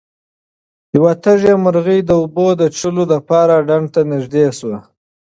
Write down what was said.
یوه تږې مرغۍ د اوبو د څښلو لپاره ډنډ ته نږدې شوه.